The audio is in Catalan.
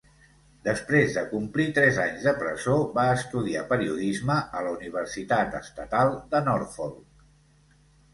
Després de complir tres anys de presó, va estudiar periodisme a la Universitat Estatal de Norfolk.